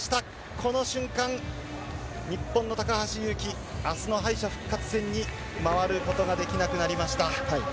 この瞬間、日本の高橋侑希、あすの敗者復活戦に回ることができなくなりました。